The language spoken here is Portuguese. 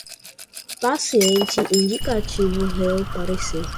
paciente, indicativo, réu, parecer